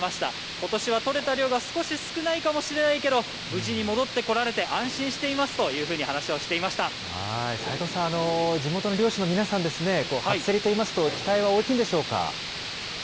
ことしは取れた量が少し少ないかもしれないけど、無事に戻ってこられて安心していますというふう齋藤さん、地元の漁師の皆さんですね、初競りといいますと、期待は大きいんでしょうか。